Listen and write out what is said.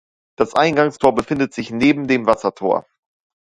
Das Eingangstor befindet sich neben dem Wassertor.